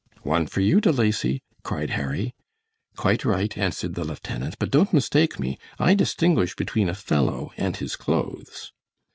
"One for you, De Lacy," cried Harry. "Quite right," answered the lieutenant, "but don't mistake me. I distinguish between a fellow and his clothes."